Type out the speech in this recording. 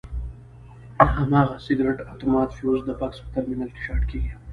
د هماغه سرکټ اتومات فیوز د بکس په ترمینل کې شارټ کېږي.